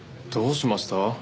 どうしました？